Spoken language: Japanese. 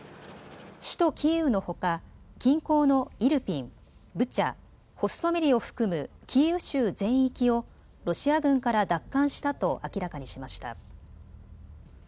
首都キーウのほか近郊のイルピン、ブチャ、ホストメリを含むキーウ州全域をロシア軍から奪還したと明らかにしました。